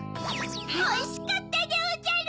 おいしかったでおじゃる。